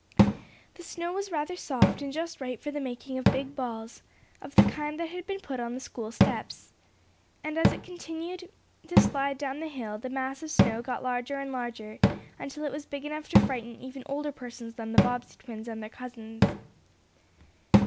The snow was rather soft, and just right for the making of big balls, of the kind that had been put on the school steps. And, as it continued to slide down the hill, the mass of snow got larger and larger, until it was big enough to frighten even older persons than the Bobbsey twins and their cousins.